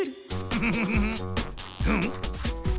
フフフフフ。